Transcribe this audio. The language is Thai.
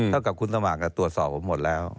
เท่ากับคุณสมัครตรวจสอบผมหมดแล้ว